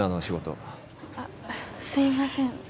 仕事あっすいません